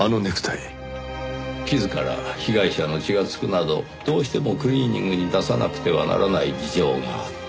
傷から被害者の血が付くなどどうしてもクリーニングに出さなくてはならない事情があった。